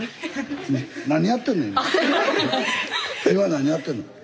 何やってんの今。